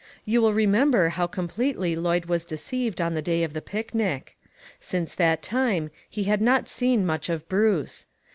You will remem ber how completely Lloyd was deceived on the day of the picnic. Since that time he had not seen much of Bruce.